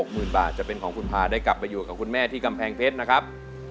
หมื่นบาทจะเป็นของคุณพาได้กลับไปอยู่กับคุณแม่ที่กำแพงเพชรนะครับ